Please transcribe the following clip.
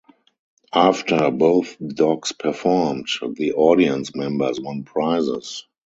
After both dogs performed, the audience members won prizes.